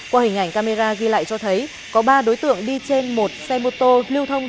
qua hình ảnh camera ghi lại cho thấy có ba đối tượng đi trên một xe mô tô lưu thông